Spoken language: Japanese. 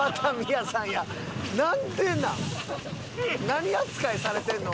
何扱いされてるの？